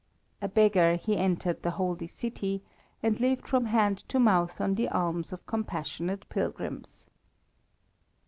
A beggar he entered the holy city, and lived from hand to mouth on the alms of compassionate pilgrims.